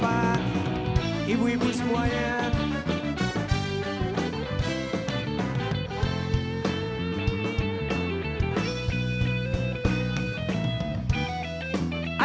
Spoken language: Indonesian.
plebaga tentang bantuan agama